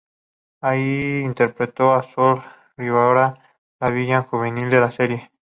Allí interpretó a Sol Rivarola, la villana juvenil de la serie.